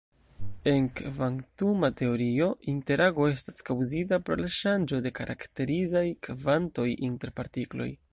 En kvantuma teorio, interago estas kaŭzita pro la ŝanĝo de karakterizaj kvantoj inter partikloj.